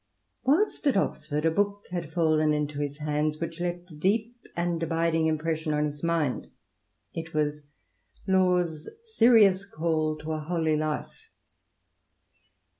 Whilst at Oxford a book had fallen into his hands which left a deep and abiding impression on his mind. It was LaVs Serious Call to a Holy Life.